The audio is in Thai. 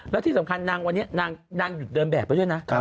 แล้วที่สำคัญนางวันนี้นางหยุดเดินแบบไปด้วยนะ